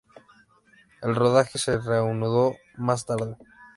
El rodaje se reanudó más tarde.